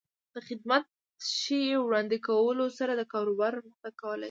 د خدمت ښې وړاندې کولو سره د کاروبار پرمختګ کولی شي.